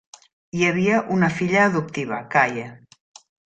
Hi havia una filla adoptiva, Kaye.